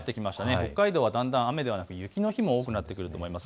北海道は雨ではなく雪の日も多くなってくると思います。